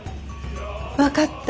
分かった。